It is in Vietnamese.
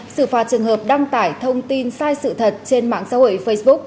xử phạt trường hợp đăng tải thông tin sai sự thật trên mạng xã hội facebook